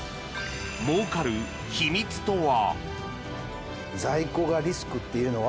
もうかる秘密とは？